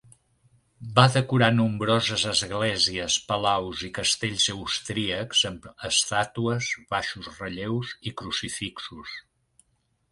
Va decorar nombroses esglésies, palaus i castells austríacs amb estàtues, baixos relleus i crucifixos.